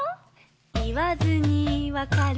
「いわずにわかる！